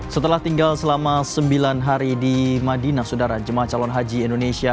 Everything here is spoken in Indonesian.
setelah tinggal selama sembilan hari di madinah saudara jemaah calon haji indonesia